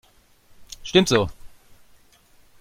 Stimmt so.